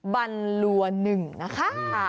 บันลัวหนึ่งนะคะ